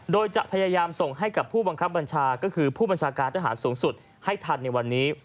โดยจะพยายามส่งให้กับผู้บังคับบัญชาก็คือผู้บัญชาการทหารสูงสุดให้ทันในวันนี้